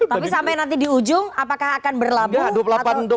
tapi sampai nanti di ujung apakah akan berlabuh